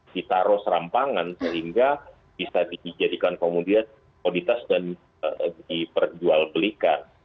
ditaruh serampangan sehingga bisa dijadikan komoditas dan diperjualbelikan